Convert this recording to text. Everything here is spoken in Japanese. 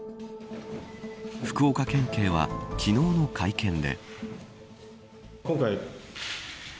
福岡県警は昨日の会見で。